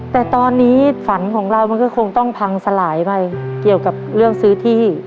แต่ตอนนี้ฝันของเรามันก็คงต้องพังสลายไปเกี่ยวกับเรื่องซื้อที่